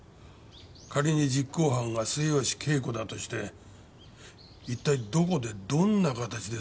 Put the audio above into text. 仮に実行犯が末吉恵子だとして一体どこでどんな形で殺害したのか？